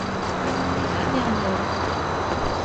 Empate a un gol.